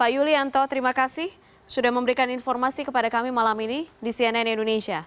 yulianto terima kasih sudah memberikan informasi kepada kami malam ini di cnn indonesia